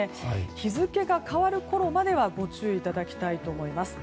日付が変わるころまではご注意いただきたいと思います。